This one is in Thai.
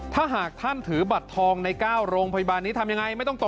ถ้าหากท่านถือบัตรทองใน๙โรงพยาบาลนี้ทำอย่างไร